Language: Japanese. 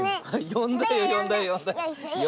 よんだよよんだよよんだよ。